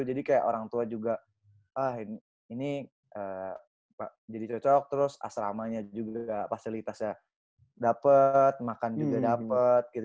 jadi orang tua juga ini jadi cocok terus asramanya juga fasilitasnya dapet makan juga dapet